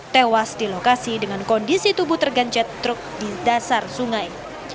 tewas di lokasi dengan kondisi tubuh tergancet truk di dasar sungai